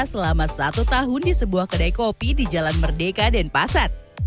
selama satu tahun di sebuah kedai kopi di jalan merdeka dan pasar